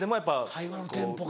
会話のテンポか。